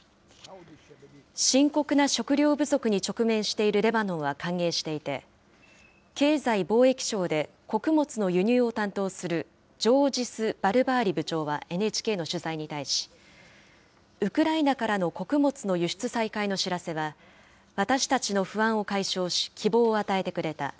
深刻な食料不足に直面しているレバノンは歓迎していて、経済・貿易省で、穀物の輸入を担当するジョージス・バルバーリ部長はＮＨＫの取材に対し、ウクライナからの穀物の輸出再開の知らせは、私たちの不安を解消し、希望を与えてくれた。